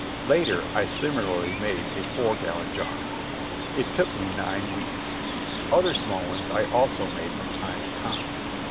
Later, I similarly made a four gallon jar. It took me nine weeks. Other small ones I also made from time to time.